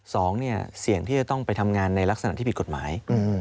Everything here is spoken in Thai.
สองเนี่ยเสี่ยงที่จะต้องไปทำงานในลักษณะที่ผิดกฎหมาย